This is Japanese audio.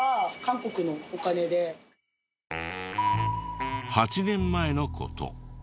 ８年前の事。